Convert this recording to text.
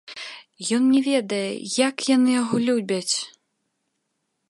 Ён не ведае, як яны яго любяць!